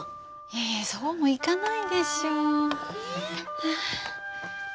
いやいやそうもいかないでしょ。え。